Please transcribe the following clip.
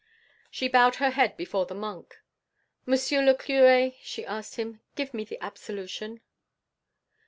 She bowed her head before the monk: "Monsieur le Curé," she asked him, "give me absolution."